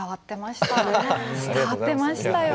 伝わっていましたね。